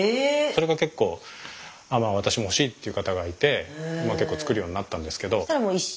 それが結構私も欲しいっていう方がいて作るようになったんですけど。